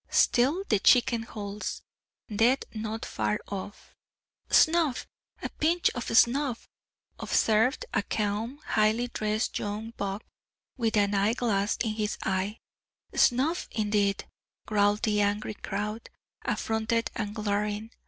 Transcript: Still the Chicken holds; death not far off. "Snuff! a pinch of snuff!" observed a calm, highly dressed young buck, with an eye glass in his eye. "Snuff, indeed!" growled the angry crowd, affronted and glaring.